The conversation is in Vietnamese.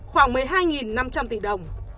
khoảng một mươi hai năm trăm linh tỷ đồng